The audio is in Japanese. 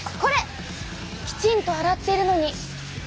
きちんと洗っているのに。